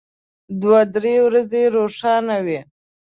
دوه درې ورځې روښانه وي.